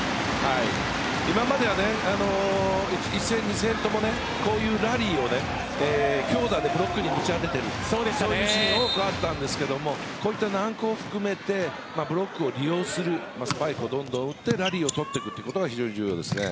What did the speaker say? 今までは１戦、２戦ともこういうラリーを強打でブロックにぶち当てているそういうシーンが多くあったんですがこういった軟攻を含めてブロックを利用するスパイクをどんどん打ってラリーを続けるのが大事ですね。